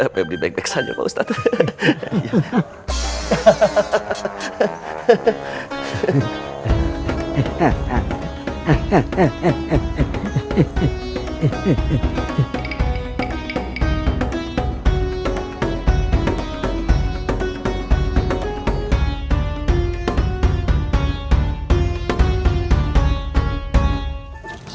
pebri baik baik saja pak ustadz